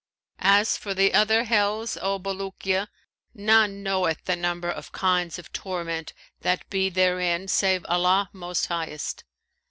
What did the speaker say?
As for the other hells, O Bulukiya, none knoweth the number of kinds of torment that be therein save Allah Most Highest.'